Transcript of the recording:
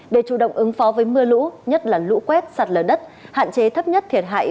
để chủ động ứng phó với mưa lũ nhất là lũ quét sạt lở đất hạn chế thấp nhất thiệt hại